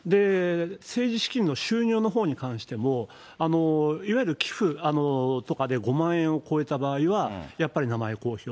政治資金の収入のほうに関しても、いわゆる寄付とかで５万円を超えた場合は、やっぱり名前公表。